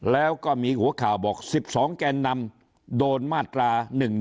แล้วก็มีหัวข่าวบอก๑๒แกนนำโดนมาตรา๑๑๒